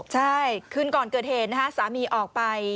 ใช่คืนก่อนเกิดเหตุนะฮะสามีออกไป